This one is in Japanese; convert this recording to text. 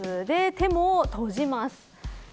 手も閉じます。